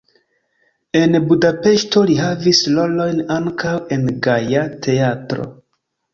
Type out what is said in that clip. En Budapeŝto li havis rolojn ankaŭ en "Gaja Teatro".